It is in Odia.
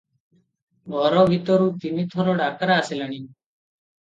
ଘର ଭିତରୁ ତିନି ଥର ଡାକରା ଆସିଲାଣି ।